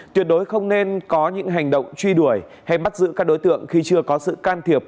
tuyệt đối không nên có những hành động truy đuổi hay bắt giữ các đối tượng khi chưa có sự can thiệp